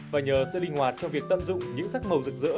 và nhờ sự linh hoạt trong việc tận dụng những sắc màu rực rỡ